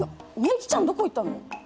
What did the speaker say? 幸ちゃんどこ行ったの？